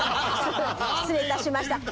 失礼致しました。